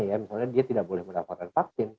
ya misalnya dia tidak boleh mendapatkan vaksin